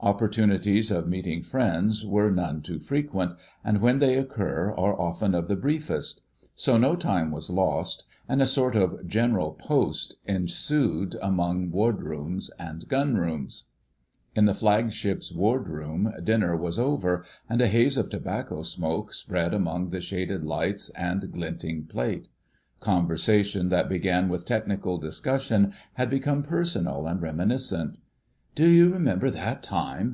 Opportunities of meeting friends are none too frequent, and when they occur, are often of the briefest. So no time was lost, and a sort of "General Post" ensued among Wardrooms and Gunrooms. In the Flagship's Wardroom dinner was over, and a haze of tobacco smoke spread among the shaded lights and glinting plate. Conversation that began with technical discussion had become personal and reminiscent. "Do you remember that time..."